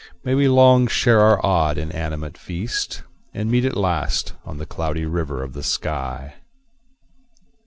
May we long share our odd, inanimate feast, And meet at last on the Cloudy River of the sky.